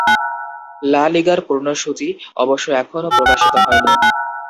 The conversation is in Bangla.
লা লিগার পূর্ণ সূচি অবশ্য এখনো প্রকাশিত হয়নি।